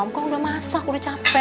kamu kan udah masak udah capek